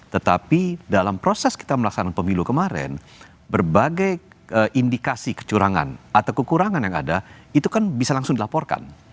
tetapi dalam proses kita melaksanakan pemilu kemarin berbagai indikasi kecurangan atau kekurangan yang ada itu kan bisa langsung dilaporkan